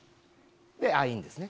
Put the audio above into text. アイーンですね。